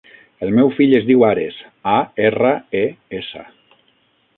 El meu fill es diu Ares: a, erra, e, essa.